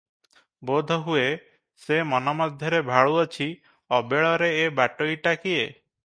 ବୋଧହୁଏ ସେ ମନ ମଧ୍ୟରେ ଭାଳୁଅଛି, ଅବେଳରେ ଏ ବାଟୋଇଟା କିଏ?